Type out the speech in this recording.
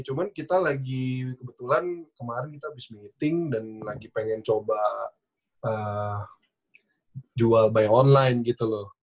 cuman kita lagi kebetulan kemarin kita habis meeting dan lagi pengen coba jual by online gitu loh